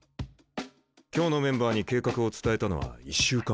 今日のメンバーに計画を伝えたのは１週間前だ。